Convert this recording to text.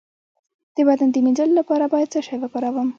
د بدن د مینځلو لپاره باید څه شی وکاروم؟